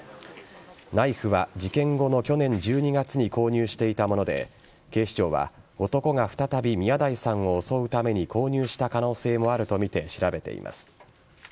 ナイフは事件後の去年１２月に購入していたもので警視庁は男が再び宮台さんを襲うために購入した可能性もあるとみて調べています。